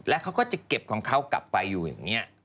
แล้วเขาก็จะเก็บของเขากลับไปอยู่อย่างนี้